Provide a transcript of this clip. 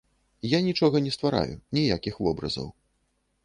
Я нічога не ствараю, ніякіх вобразаў.